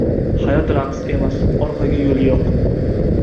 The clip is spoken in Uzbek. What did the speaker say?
• Hayot raqs emas — orqaga yo‘l yo‘q.